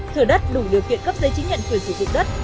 thửa đất đủ điều kiện cấp giấy chứng nhận quyền sử dụng đất